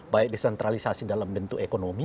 baik desentralisasi dalam bentuk ekonomi